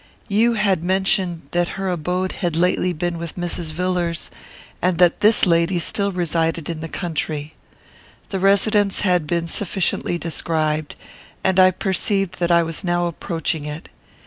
You had mentioned that her abode had lately been with Mrs. Villars, and that this lady still resided in the country. The residence had been sufficiently described, and I perceived that I was now approaching it.